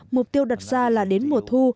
mục tiêu đặt ra là đến mùa thu